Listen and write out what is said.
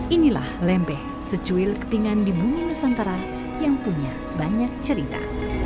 inilah lembeh secuil kepingan di bumi nusantara yang punya banyak cerita